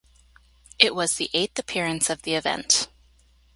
It was the eighth appearance of the event.